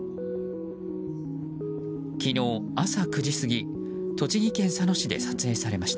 昨日朝９時過ぎ栃木県佐野市で撮影されました。